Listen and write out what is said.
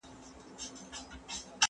زه اوس واښه راوړم